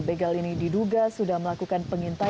begal ini diduga sudah melakukan pengintaian